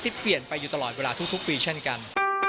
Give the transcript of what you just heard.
ที่เปลี่ยนไปอยู่ตลอดเวลาทุกปีเช่นกัน